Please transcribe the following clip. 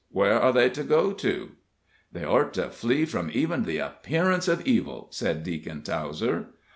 Where are they to go to?" "They ort to flee from even the appearance of evil," said Deacon Towser.